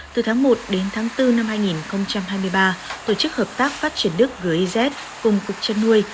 từ tháng một đến tháng bốn năm hai nghìn hai mươi ba tổ chức hợp tác phát triển đức giz cùng cục chăn nuôi